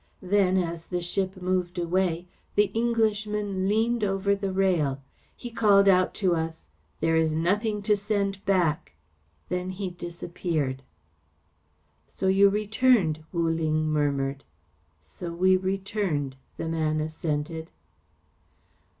Then, as the ship moved away, the Englishman leaned over the rail. He called out to us, 'There is nothing to send back.' Then he disappeared." "So you returned," Wu Ling murmured. "So we returned," the man assented.